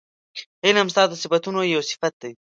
علم ستا د صفتونو یو صفت دی